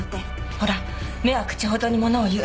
ほら目は口ほどにものを言う。